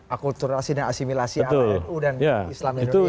akulturasi dan asimilasi antara nu dan islam indonesia